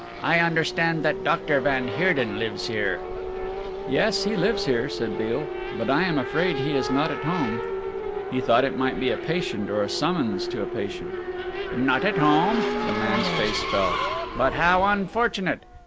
"I understand that Doctor van Heerden lives here?" "Yes, he lives here," said Beale, "but I am afraid he is not at home." He thought it might be a patient or a summons to a patient. "Not at home?" The man's face fell. "But how unfortunate!